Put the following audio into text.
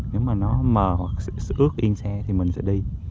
nếu mà nó mờ hoặc ước yên xe thì mình sẽ đi